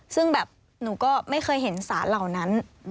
ซึ่งแบบหนูก็ไม่เคยเห็นสารเหล่านั้น